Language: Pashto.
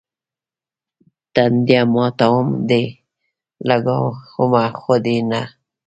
تنديه ماتوم دي، لګومه خو دې نه.